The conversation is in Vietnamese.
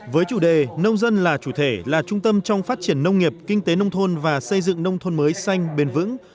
với chủ đề nông dân là chủ thể là trung tâm trong phát triển nông nghiệp kinh tế nông thôn và xây dựng nông thôn mới xanh bền vững